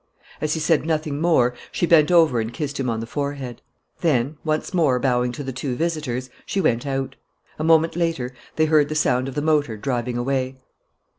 As he said nothing more, she bent over and kissed him on the forehead. Then, once more bowing to the two visitors, she went out. A moment later they heard the sound of the motor driving away.